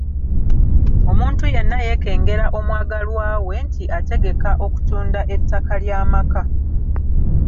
Omuntu yenna yeekengera omwagalwa we nti ategeka okutunda ettaka ly’amaka.